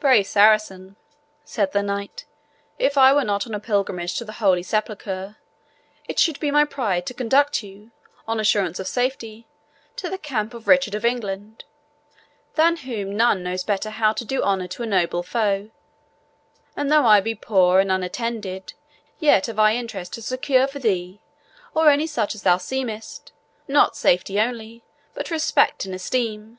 "Brave Saracen," said the Knight, "if I were not on a pilgrimage to the Holy Sepulchre, it should be my pride to conduct you, on assurance of safety, to the camp of Richard of England, than whom none knows better how to do honour to a noble foe; and though I be poor and unattended yet have I interest to secure for thee, or any such as thou seemest, not safety only, but respect and esteem.